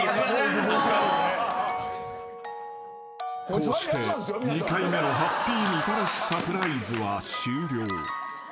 ［こうして２回目のハッピーみたらしサプライズは終了］